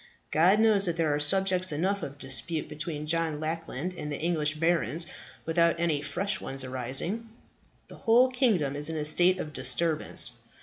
God knows that there are subjects enough of dispute between John Lackland and the English barons without any fresh ones arising. The whole kingdom is in a state of disturbance.